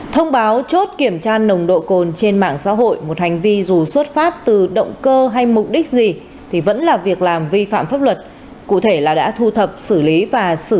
thông báo chốt kiểm tra nồng độ cồn trên mạng xã hội một hành vi dù xuất phát từ động cơ hay mục đích gì thì vẫn là việc làm vi phạm pháp luật cụ thể là đã thu thập xử lý và xử lý